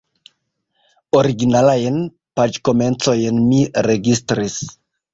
Originalajn paĝkomencojn mi registris.